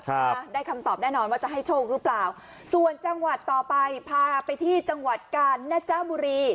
ครับได้คำตอบแน่นอนว่าจะให้โชคหรือเปล่าส่วนจังหวัดต่อไปพาไปที่จังหวัดกาญนะเจ้าบุรี